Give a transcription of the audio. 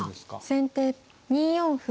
先手２四歩。